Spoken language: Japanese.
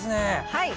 はい。